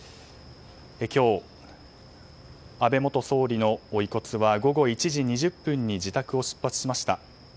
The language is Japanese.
今日、安倍元総理の遺骨は午後１時２０分に自宅を出発しました。